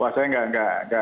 pak saya enggak enggak